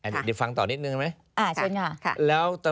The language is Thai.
เดี๋ยวฟังต่อนิดหนึ่งนะไหม